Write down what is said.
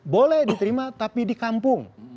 boleh diterima tapi di kampung